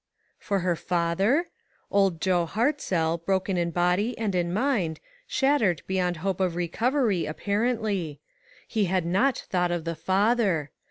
For her father? Old Joe Hartzell, broken in body and in mind, shattered beyond hope of recovery, apparently. He had not thought of the father.